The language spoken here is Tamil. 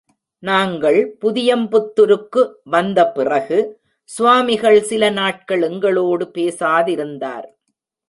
நாங்கள் புதியம்புத்துருக்கு வந்த பிறகு, சுவாமிகள் சில நாட்கள் எங்களோடு பேசாதிருந்தார்.